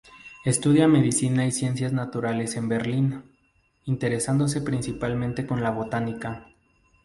Estudia medicina y Ciencias naturales en Berlín, interesándose principalmente con la botánica.